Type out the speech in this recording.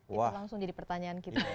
itu langsung jadi pertanyaan kita